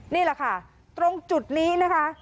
นี่แหละค่ะตรงจุดนี้นะคะ